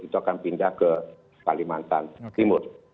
itu akan pindah ke kalimantan timur